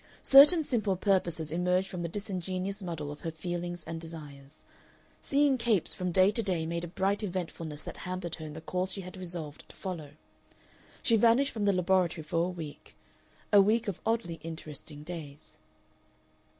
Certain simple purposes emerged from the disingenuous muddle of her feelings and desires. Seeing Capes from day to day made a bright eventfulness that hampered her in the course she had resolved to follow. She vanished from the laboratory for a week, a week of oddly interesting days....